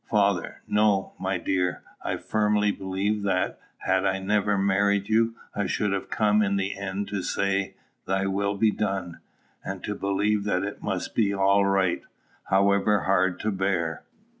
Father. No, my dear. I firmly believe, that, had I never married you, I should have come in the end to say, "Thy will be done," and to believe that it must be all right, however hard to bear.